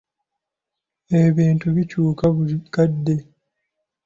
Ebintu bikyuka buli kadde.